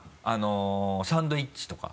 サンドイッチとか。